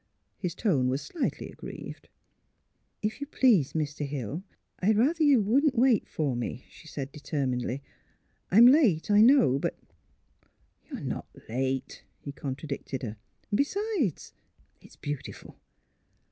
His tone was slightly aggrieved. '* If you please, Mr. Hill, I'd rather you wouldn't wait for me," she said, determinedly. ''I'm late, I know, but "" You're not late," he contradicted her; and besides, it 's — beautiful